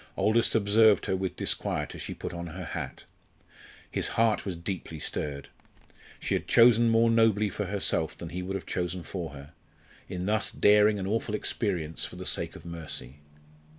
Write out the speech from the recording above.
Aldous observed her with disquiet as she put on her hat. His heart was deeply stirred. She had chosen more nobly for herself than he would have chosen for her, in thus daring an awful experience for the sake of mercy.